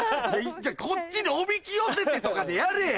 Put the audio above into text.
こっちにおびき寄せてとかでやれや！